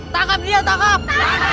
tangkap dia tangkap